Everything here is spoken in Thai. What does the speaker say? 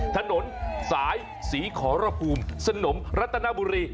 ถนนสายศรีขอรภูมิสนมรัตนบุรี